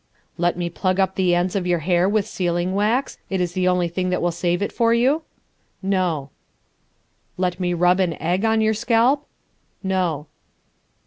"Let me plug up the ends of your hair with sealing wax, it's the only thing that will save it for you?" "No." "Let me rub an egg on your scalp?" "No."